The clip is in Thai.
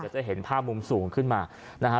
จะเห็นภาพมุมสูงขึ้นมานะฮะ